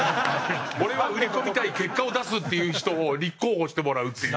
俺は売り込みたい結果を出すっていう人を立候補してもらうっていう。